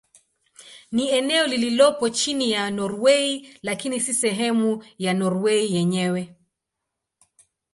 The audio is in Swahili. Ni eneo lililopo chini ya Norwei lakini si sehemu ya Norwei yenyewe.